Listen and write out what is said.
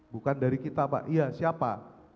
bukan dari kita pak iya siapa